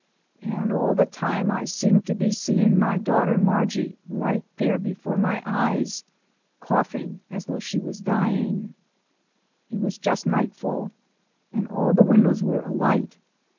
"An' all the time I seemed to be seein' my daughter Margy right there before my eyes coughing as though she was dyin'." It was just nightfall and all the windows were alight.